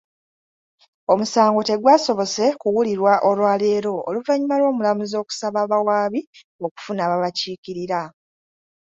Omusango tegwasobose kuwulirwa olwaleero oluvannyuma lw’omulamuzi okusaba abawaabi okufuna ababakiikirira.